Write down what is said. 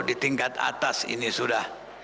di tingkat atas ini sudah